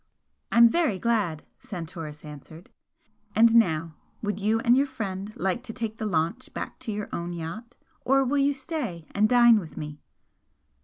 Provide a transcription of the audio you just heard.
"I'm very glad," Santoris answered "And now would you and your friend like to take the launch back to your own yacht, or will you stay and dine with me?"